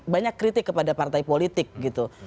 banyak kritik kepada partai politik gitu